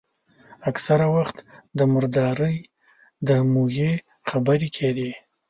اکثره وخت د مردارۍ د موږي خبرې کېدې.